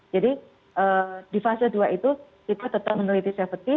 jadi di fase dua itu kita tetap meneliti safety